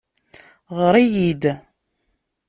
Ɣer-iyi-d!